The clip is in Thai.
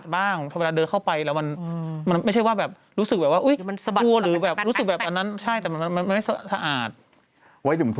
มันจะถามว่าไรว่าเขารู้ไหม